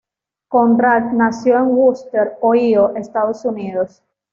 Conrad nació en Wooster, Ohio, Estados Unidos.